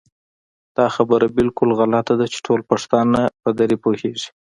دا خبره بالکل غلطه ده چې ټول پښتانه په دري پوهېږي